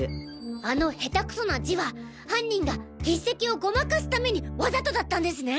あのヘタクソな字は犯人が筆跡をごまかすためにわざとだったんですね！